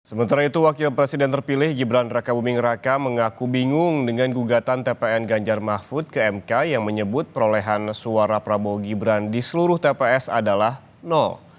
sementara itu wakil presiden terpilih gibran raka buming raka mengaku bingung dengan gugatan tpn ganjar mahfud ke mk yang menyebut perolehan suara prabowo gibran di seluruh tps adalah nol